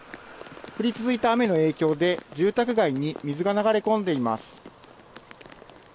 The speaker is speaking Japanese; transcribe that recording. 降り続いた雨の影響で住宅街に水が流れ込んでいます。